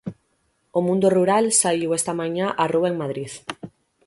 O mundo rural saíu este mañá á rúa en Madrid.